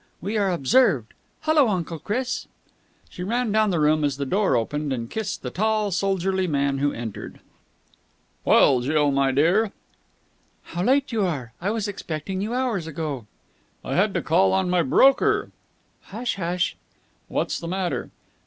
We are observed!... Hullo, Uncle Chris!" She ran down the room, as the door opened, and kissed the tall, soldierly man who entered. "Well, Jill, my dear." "How late you are. I was expecting you hours ago." "I had to call on my broker." "Hush! Hush!" "What's the matter?"